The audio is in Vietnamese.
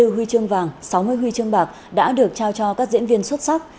hai mươi huy chương vàng sáu mươi huy chương bạc đã được trao cho các diễn viên xuất sắc